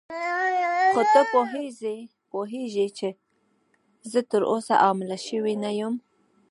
خو ته پوهېږې زه تراوسه حامله شوې نه یم.